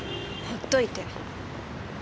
ほっといて。